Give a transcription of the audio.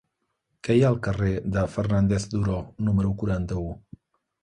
Què hi ha al carrer de Fernández Duró número quaranta-u?